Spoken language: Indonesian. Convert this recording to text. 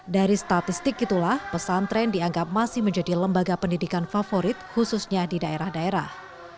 dari statistik itulah pesantren dianggap masih menjadi lembaga pendidikan favorit khususnya di daerah daerah